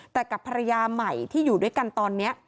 แต่กับภรรยาใหม่ที่อยู่ด้วยกันตอนนี้